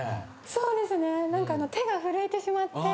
そうですね何か手が震えてしまって。